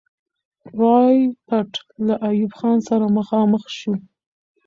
رایپټ له ایوب خان سره مخامخ سو.